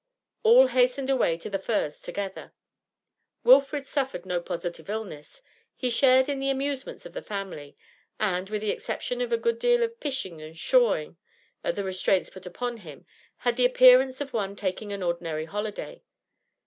All hastened away to The Firs together. Wilfrid suffered no positive illness; he shared in the amusements of the family, and, with the exception of a good deal of pishing and pshawing at the restraints put upon him, had the appearance of one taking an ordinary holiday.